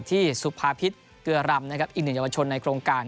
ที่สุภาพิษเกลือรำนะครับอีกหนึ่งเยาวชนในโครงการ